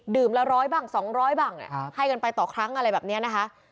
ดื่มละ๑๐๐บัง๒๐๐บังให้กันไปต่อครั้งอะไรแบบนี้นะคะ